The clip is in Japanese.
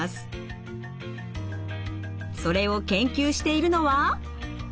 それを研究しているのは。